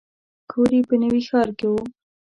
کور یې په نوي ښار کې و.